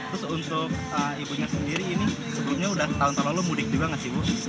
terus untuk ibunya sendiri ini sebelumnya udah tahun tahun lalu mudik juga nggak sih bu